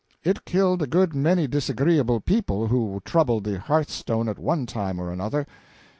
It killed a good many disagreeable people who troubled that hearthstone at one time and another.